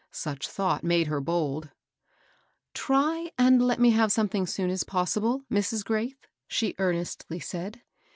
Such thought made her bold. *^ Try and let me have something soon as possi ble, Mrs. Graith," she earnestly said.